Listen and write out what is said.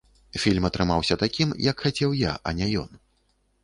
Фільм атрымаўся такім, як хацеў я, а не ён.